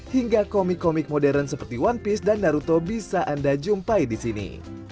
hingga komik komik modern seperti one piece dan naruto bisa anda jumpai di sini